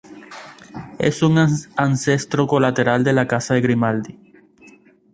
Es un ancestro colateral de la Casa de Grimaldi.